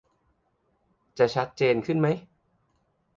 จะชัดเจนขึ้นไหม ?